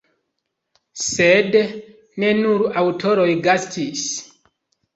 Sed ne nur aŭtoroj gastis.